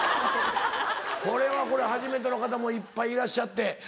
これはこれは初めての方もいっぱいいらっしゃって。